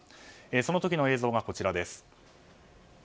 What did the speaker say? その時の映像がこちらです。